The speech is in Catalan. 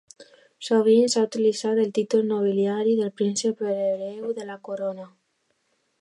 Sovint s'ha utilitzat el títol nobiliari de príncep per l'hereu de la corona.